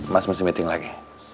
mas mesti meeting lagi